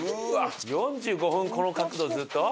４５分この角度をずっと？